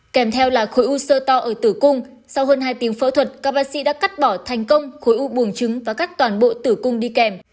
kèm theo là khối u sơ to ở tử cung sau hơn hai tiếng phẫu thuật các bác sĩ đã cắt bỏ thành công khối u buồng trứng và các toàn bộ tử cung đi kèm